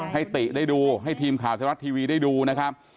ติได้ดูให้ทีมข่าวไทยรัฐทีวีได้ดูนะครับ